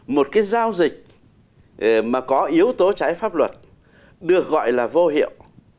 một cái giao dịch mà có yếu tố trái pháp luật được gọi là vô hiệu